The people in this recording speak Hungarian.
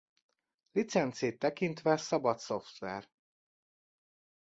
Licencét tekintve szabad szoftver.